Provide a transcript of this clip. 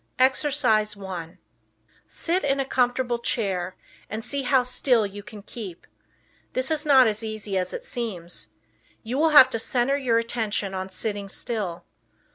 Exercise 1 Sit in a comfortable chair and see how still you can keep. This is not as easy as it seems. You will have to center your attention on sitting still.